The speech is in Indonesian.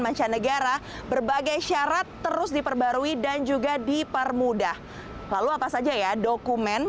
mancanegara berbagai syarat terus diperbarui dan juga dipermudah lalu apa saja ya dokumen